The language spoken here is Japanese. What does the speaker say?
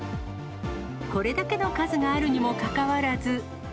これだけの数があるにもかかわらず。